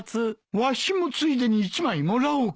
わしもついでに１枚もらおうか。